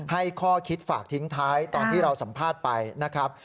ให้ข้อคิดฝากทิ้งท้ายตอนที่เราสัมภาษณ์ไปนะครับ